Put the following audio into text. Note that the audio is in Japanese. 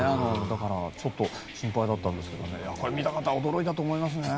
だから、心配だったんですけど見た方は驚いたと思いますね。